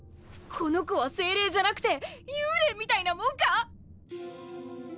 この子は精霊じゃなくて幽霊みたいなもんか！？